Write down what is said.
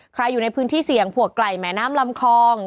อยู่ในพื้นที่เสี่ยงผัวไก่แหมน้ำลำคอง